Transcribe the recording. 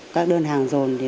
các đơn hàng rồn